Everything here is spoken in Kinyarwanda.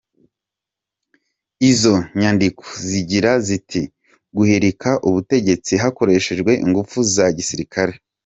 Izo nyandiko zigira ziti "Guhirika ubutegetsi hakoreshejwe ingufu za gisirikare.